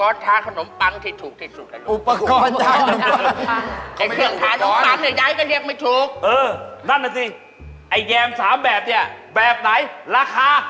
นั่นน่ะสิไอ้แยม๓แบบนี้แบบไหนราคา